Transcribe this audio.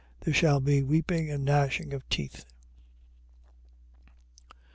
There shall be weeping and gnashing of teeth.